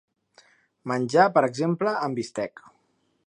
Menjar, per exemple amb bistec.